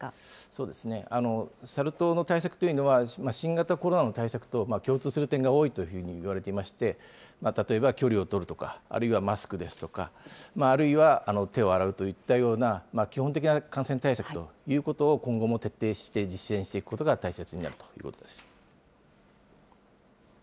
そうですね、サル痘の対策というのは、新型コロナの対策と共通する点が多いというふうにいわれていまして、例えば距離を取るとか、あるいはマスクですとか、あるいは手を洗うといったような、基本的な感染対策ということを今後も徹底して実践していくことが大切になるということです。